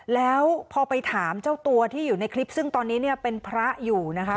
แล้วพอไปถามเจ้าตัวที่อยู่ในคลิปซึ่งตอนนี้เนี่ยเป็นพระอยู่นะคะ